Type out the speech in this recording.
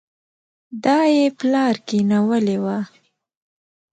دا يې پلار کېنولې وه.